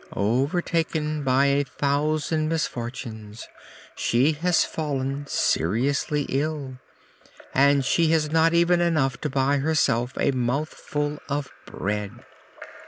Overtaken by a thousand misfortunes, she has fallen seriously ill, and she has not even enough to buy herself a mouthful of bread."